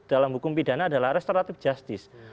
dalam hukum pidana adalah restoratif justice